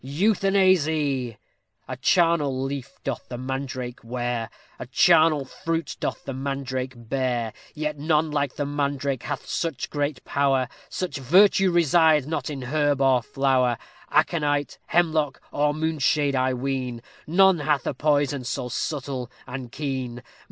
Euthanasy!_ A charnel leaf doth the mandrake wear, A charnel fruit doth the mandrake bear; Yet none like the mandrake hath such great power, Such virtue resides not in herb or flower; Aconite, hemlock, or moonshade, I ween, None hath a poison so subtle and keen.